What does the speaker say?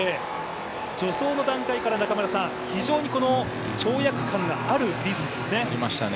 助走の段階から非常に跳躍感がありましたね。